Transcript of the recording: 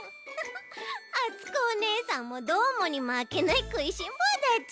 あつこおねえさんもどーもにまけないくいしんぼうだち。